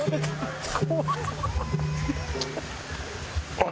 あっ。